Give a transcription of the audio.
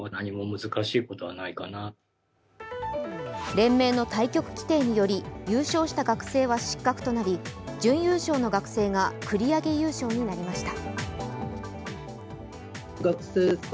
連盟の対局規定により、優勝した学生は失格となり準優勝の学生が繰り上げ優勝になりました。